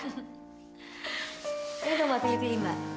ini buat mbak fina mbak